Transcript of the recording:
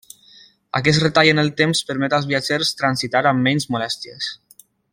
Aquest retall en el temps permet als viatgers transitar amb menys molèsties.